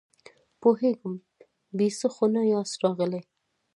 پوهېږم، بې څه خو نه ياست راغلي!